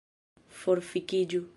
Forfikiĝu